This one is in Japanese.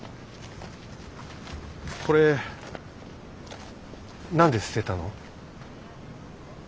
これ何で捨てたの？